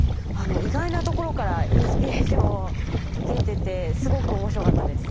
意外なところからインスピレーションを受けててすごく面白かったです。